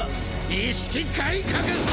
意識改革！